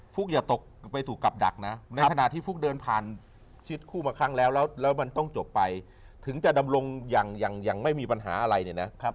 อย่าตกไปสู่กับดักนะในขณะที่ฟุ๊กเดินผ่านชีวิตคู่มาครั้งแล้วแล้วมันต้องจบไปถึงจะดำรงอย่างไม่มีปัญหาอะไรเนี่ยนะ